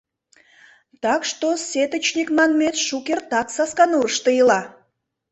Так что сетычник манмет шукертак Сасканурышто ила.